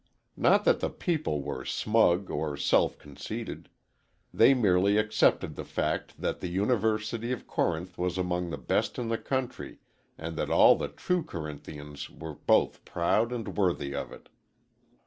Not that the people were smug or self conceited. They merely accepted the fact that the University of Corinth was among the best in the country and that all true Corinthians were both proud and worthy of it.